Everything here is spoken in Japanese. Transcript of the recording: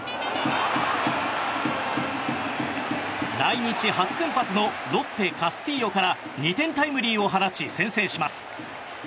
来日初先発のロッテカスティーヨから２点タイムリーを放ち先制します。